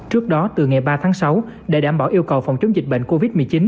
trước đó từ ngày ba tháng sáu để đảm bảo yêu cầu phòng chống dịch bệnh covid một mươi chín